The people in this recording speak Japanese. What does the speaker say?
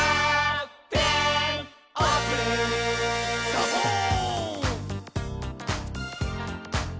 「サボーン！」